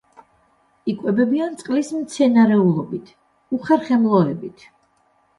იკვებებიან წყლის მცენარეულობით, უხერხემლოებით.